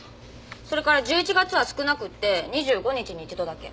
それから１１月は少なくって２５日に一度だけ。